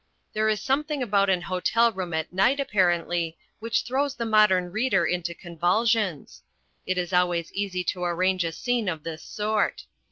There is something about an hotel room at night, apparently, which throws the modern reader into convulsions. It is always easy to arrange a scene of this sort.